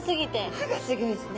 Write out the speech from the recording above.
歯がすギョいっすね